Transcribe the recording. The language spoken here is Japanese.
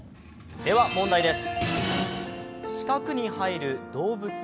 では問題です。